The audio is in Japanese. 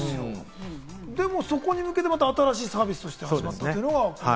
でもそこに向けて、新しいサービスが始まったということで。